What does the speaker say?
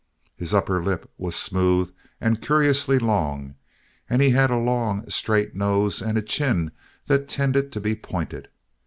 His upper lip was smooth and curiously long, and he had a long, straight nose and a chin that tended to be pointed.